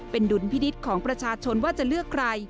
เป็นดุลพินิษฐ์ของประชาชนว่าจะเลือกใคร